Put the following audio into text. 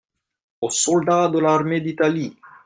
Aux soldats de l'armée d'Italie.